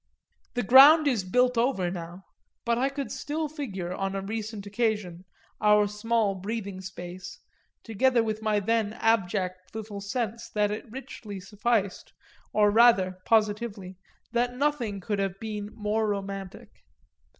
The ground is built over now, but I could still figure, on a recent occasion, our small breathing space; together with my then abject little sense that it richly sufficed or rather, positively, that nothing could have been more romantic.